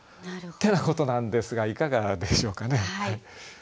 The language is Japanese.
ってなことなんですがいかがでしょうかね。